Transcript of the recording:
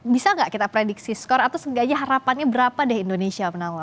bisa gak kita prediksi skor atau harapannya berapa deh indonesia menang lawan